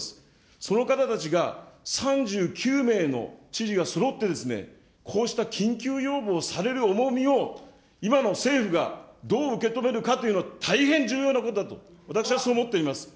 その方たちが３９名の知事がそろって、こうした緊急要望をされる重みを今の政府がどう受け止めるかというのは大変重要なことだと、私はそう思っています。